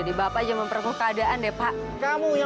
sampai jumpa di video selanjutnya